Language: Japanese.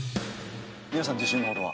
皆さん自信の程は？